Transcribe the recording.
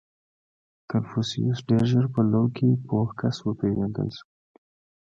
• کنفوسیوس ډېر ژر په لو کې پوه کس وپېژندل شو.